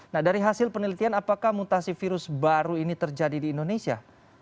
nah dari hasil penelitian apakah mutasi virus baru ini terjadi di indonesia